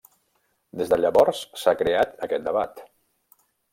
Des de llavors s'ha creat aquest debat.